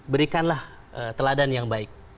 berikanlah teladan yang baik